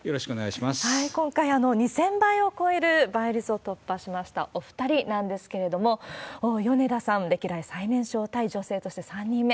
今回、２０００倍を超える倍率を突破しましたお２人なんですけれども、米田さん、歴代最年少タイ女性として３人目。